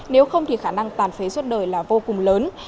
nếu không thì khả năng tàn phế suốt đời là vô cùng lớn